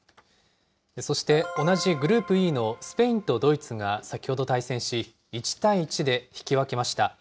そして、同じグループＥのスペインとドイツが先ほど対戦し、１対１で引き分けました。